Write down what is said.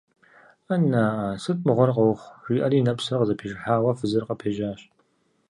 - Ана-а, сыт мыгъуэр къэухъу? - жиӀэри и нэпсым къызэпижыхьауэ фызыр къыпежьащ.